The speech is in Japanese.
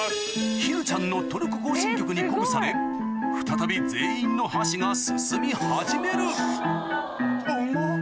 ひるちゃんの『トルコ行進曲』に鼓舞され再び全員の箸が進み始めるあっうまっ。